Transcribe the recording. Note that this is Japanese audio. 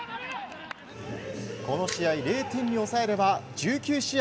この試合、０点に抑えれば１９試合